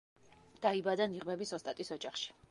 დაიბადა ნიღბების ოსტატის ოჯახში.